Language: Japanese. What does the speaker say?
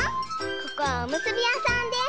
ここはおむすびやさんです。